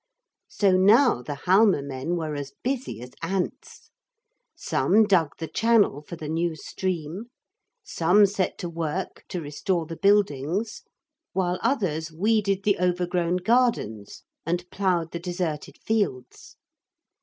So now the Halma men were as busy as ants. Some dug the channel for the new stream, some set to work to restore the buildings, while others weeded the overgrown gardens and ploughed the deserted fields.